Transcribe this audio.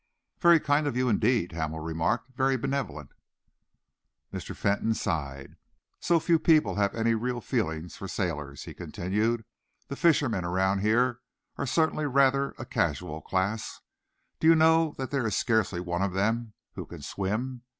"Very kind of you indeed," Hamel remarked, "very benevolent." Mr. Fentolin sighed. "So few people have any real feeling for sailors," he continued. "The fishermen around here are certainly rather a casual class. Do you know that there is scarcely one of them who can swim?